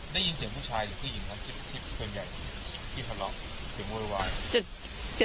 ได้ยินเสียงผู้ชายหรือผู้หญิงครับที่ส่วนใหญ่ที่ทะเลาะเสียงโวยวาย